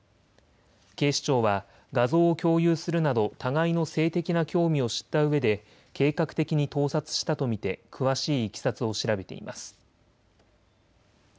警視庁は画像を共有するなど互いの性的な興味を知ったうえで計画的に盗撮したと見て詳しいいきさつを調べています。